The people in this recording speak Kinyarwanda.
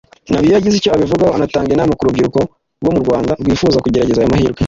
nabyo yagize icyo abivugaho anatanga inama ku rubyiruko rwo mu Rwanda rwifuza kugerageza aya mahirwe